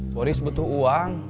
boris butuh uang